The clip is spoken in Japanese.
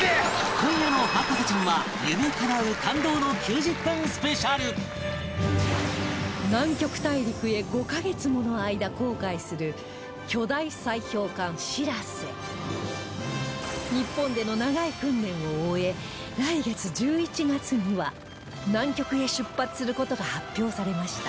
今夜の『博士ちゃん』は南極大陸へ５カ月もの間航海する巨大砕氷艦「しらせ」日本での長い訓練を終え来月１１月には南極へ出発する事が発表されました